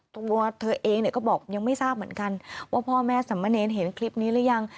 ตัวเธอเองเนี่ยก็บอกยังไม่ทราบเหมือนกันว่าพ่อแม่สมเนรเห็นคลิปนี้หรือยัง